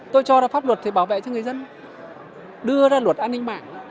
tôi cho là pháp luật thì bảo vệ cho người dân đưa ra luật an ninh mạng